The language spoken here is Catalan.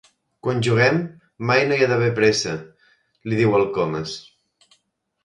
Quan juguem mai no hi ha d'haver pressa —li diu el Comas.